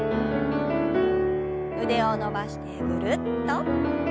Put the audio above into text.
腕を伸ばしてぐるっと。